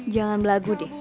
jangan berangkat deh